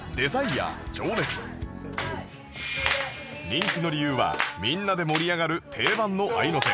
人気の理由はみんなで盛り上がる定番の合いの手